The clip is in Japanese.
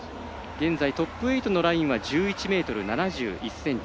現在トップ８のラインは１１ｍ７１ｃｍ。